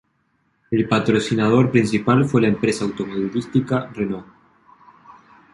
El patrocinador principal fue la empresa automovilística Renault.